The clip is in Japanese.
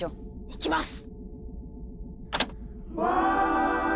いきます！